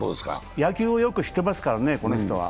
野球をよく知ってますからね、この人は。